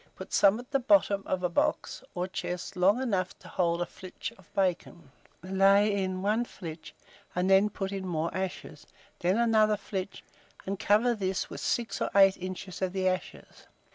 Put some at the bottom of a box or chest long enough to hold a flitch of bacon; lay in one flitch, and then put in more ashes, then another flitch, and cover this with six or eight inches of the ashes.